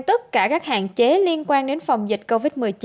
và đeo tất cả các hạn chế liên quan đến phòng dịch covid một mươi chín